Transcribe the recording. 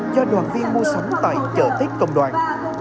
cho đoàn viên mua sắm tại chợ tết công đoàn